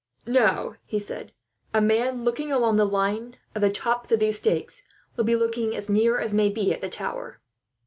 "Now," he said, "a man, looking along the line of the tops of these stakes, will be looking as near as may be at the tower."